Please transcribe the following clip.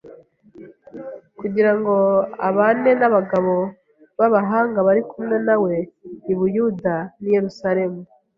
Kugira ngo abane n’abagabo b’abahanga bari kumwe nawe i Buyuda n’i Yerusalemu